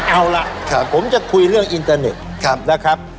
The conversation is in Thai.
เอาล่ะผมจะคุยเรื่องอินเตอร์เน็ตนะครับ